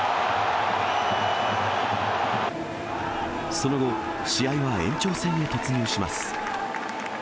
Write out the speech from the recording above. その後、試合は延長戦へ突入します。